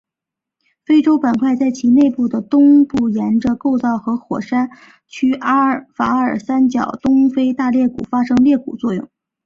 非洲板块在其内部的东部沿着构造和火山活动区阿法尔三角和东非大裂谷发生裂谷作用。